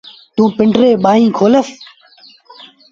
توٚنٚ پنڊريٚݩ ٻآهيݩ کولس